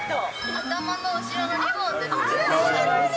頭の後ろのリボンですね。